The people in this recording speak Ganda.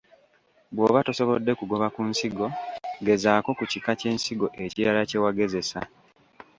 Bw’oba tosobodde kugoba ku nsigo, gezaako ku kika ky’ensigo ekirara kye wagezesa.